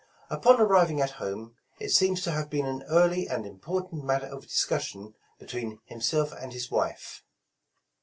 Upon arriving at home, it seems to have been an early and important matter of discussion between him self and his wife.